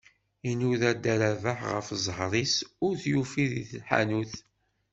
Inuda dda Rabeḥ ɣef ẓẓher-is, ur t-yufi di tḥanut.